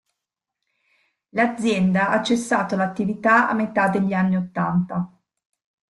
L'azienda ha cessato l'attività a metà degli anni Ottanta.